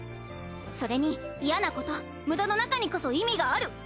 それに嫌なこと無駄の中にこそ意味がある！